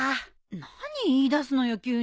何言いだすのよ急に。